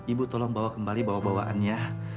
ibu tolong bawa kembali bawa bawaannya